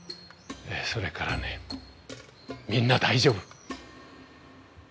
それからねみんな大丈夫！